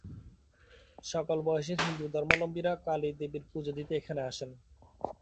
সকল বয়সের হিন্দু ধর্মাবলম্বীরা কালী দেবীর পুজো দিতে এখানে আসেন।